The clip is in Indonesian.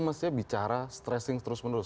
mestinya bicara stressing terus menerus